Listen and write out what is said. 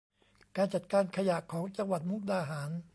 การจัดการขยะของจังหวัดมุกดาหาร